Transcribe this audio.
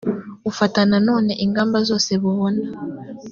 bufata na none ingamba zose bubona